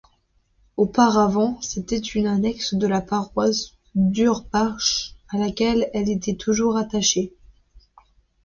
Auparavant, c'était une annexe de la paroisse d'Hurbache à laquelle elle est toujours rattachée.